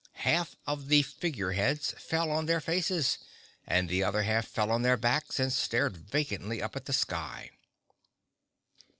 Half of the Figure Heads fell on their faces, and the other half fell on their backs and stared vacantly up at the sky.